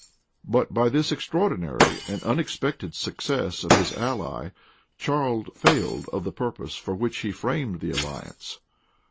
But by this extraordinary and unexpected success of his ally, Charles failed of the purpose for which he framed the alliance.